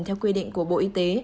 theo quy định của bộ y tế